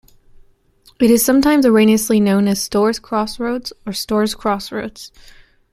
It sometimes erroneously known as Stohrs Cross Roads or Stohrs Crossroads.